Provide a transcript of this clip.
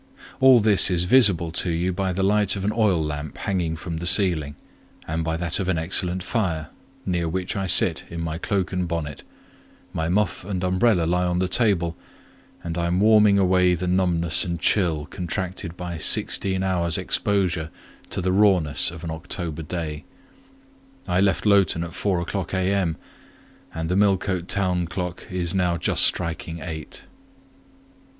All this is visible to you by the light of an oil lamp hanging from the ceiling, and by that of an excellent fire, near which I sit in my cloak and bonnet; my muff and umbrella lie on the table, and I am warming away the numbness and chill contracted by sixteen hours' exposure to the rawness of an October day: I left Lowton at four o'clock A.M., and the Millcote town clock is now just striking eight.